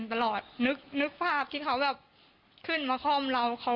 หรือหรือหรือหรือหรือหรือ